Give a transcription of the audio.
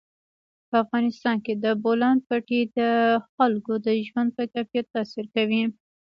په افغانستان کې د بولان پټي د خلکو د ژوند په کیفیت تاثیر کوي.